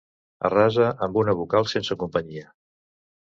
Arrasa amb una vocal sense companyia.